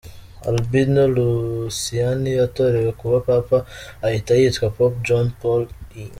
Albino Luciani yatorewe kuba papa ahita yitwa Pope John Paul I.